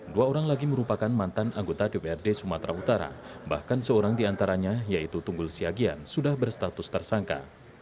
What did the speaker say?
dua orang lagi merupakan mantan anggota dprd sumatera utara bahkan seorang diantaranya yaitu tunggul siagian sudah berstatus tersangka